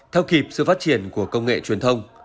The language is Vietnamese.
theo kịp sự phát triển của công nghệ truyền thông